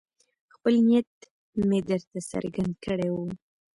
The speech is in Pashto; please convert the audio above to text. خپل نیت مې درته څرګند کړی وو.